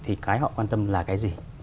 thì cái họ quan tâm là cái gì